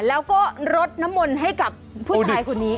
แล้วก็รดน้ำมนต์ให้กับผู้ชายคนนี้